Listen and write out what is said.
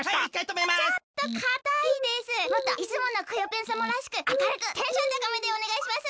もっといつものクヨッペンさまらしくあかるくテンションたかめでおねがいします。